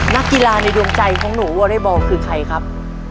นักกีฬาในดวงใจของหนูวอเรย์บอลคือใครครับ